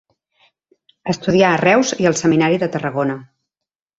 Estudià a Reus i al Seminari de Tarragona.